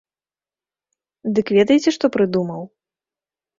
Дык ведаеце, што прыдумаў?